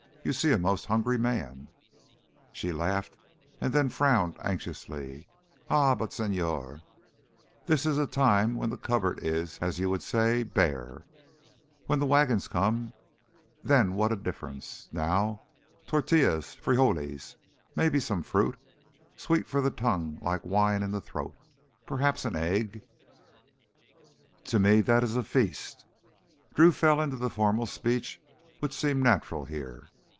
You see a most hungry man." She laughed and then frowned anxiously. "Ah, but, señor, this is a time when the cupboard is, as you would say, bare! When the wagons come—then what a difference! Now, tortillas, frijoles, maybe some fruit ... sweet for the tongue, like wine in the throat. Perhaps an egg—" "To me that is a feast." Drew fell into the formal speech which seemed natural here.